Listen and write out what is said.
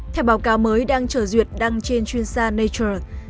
theo báo cáo mới đang trở duyệt đăng trên chuyên gia nature